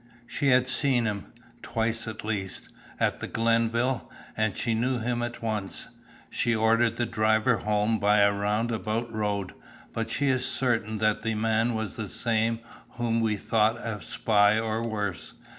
She had seen him, twice at least, at the Glenville, and she knew him at once. She ordered the driver home by a round about road, but she is certain that the man was the same whom we thought a spy or worse.